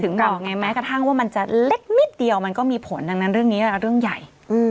บอกไงแม้กระทั่งว่ามันจะเล็กนิดเดียวมันก็มีผลดังนั้นเรื่องนี้เรื่องใหญ่